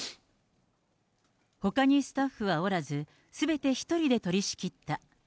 ほかにスタッフはおらず、すべて１人で取り仕切った。